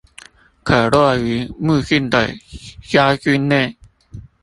可落於目鏡的焦距內